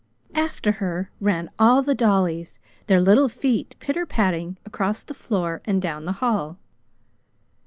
After her ran all the dollies, their little feet pitter patting across the floor and down the hall.